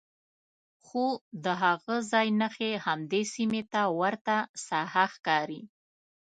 خو د هغه ځای نښې همدې سیمې ته ورته ساحه ښکاري.